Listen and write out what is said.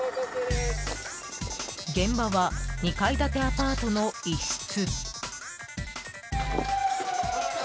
現場は、２階建てアパートの一室。